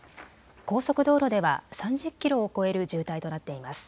高速道路では３０キロを超える渋滞となっています。